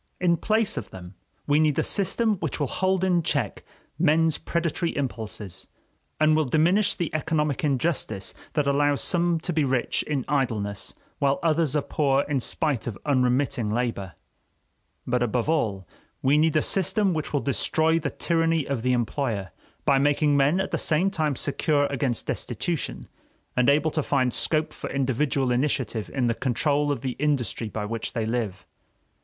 In place of them we need a system which will hold in cheek men's predatory impulses, and will diminish the economic injustice that allows some to be rich in idleness while others are poor in spite of unremitting labor; but above all we need a system which will destroy the tyranny of the employer, by making men at the same time secure against destitution and able to find scope for individual initiative in the control of the industry by which they live.